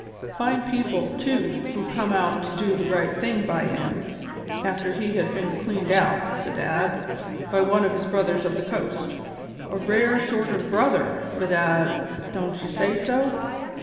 Fine people, too, who came out to do the right thing by him, after he had been cleaned out, bedad, by one of his 'Brothers of the Coast.' A rare sort of brother, bedad, don't you say so?"